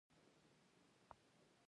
د منفي چارج لرونکي جسم برېښنا جذبه کوي.